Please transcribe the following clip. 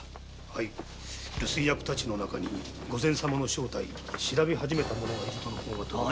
留守居役たちの中に御前様の正体を調べ始めた者がいるとの。